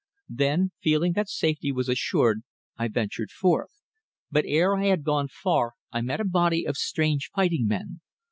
Then, feeling that safety was assured, I ventured forth, but ere I had gone far I met a body of strange fighting men.